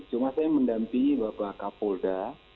cuma saya mendampingi bapak kapolda